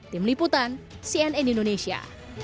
tim liputan cnn indonesia